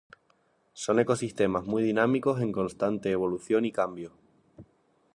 Son ecosistemas muy dinámicos, en constante evolución y cambio.